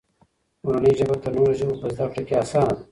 مورنۍ ژبه تر نورو ژبو په زده کړه کې اسانه ده.